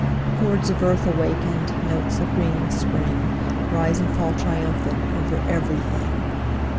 Chords of earth awakened, Notes of greening spring, Rise and fall triumphant Over every thing.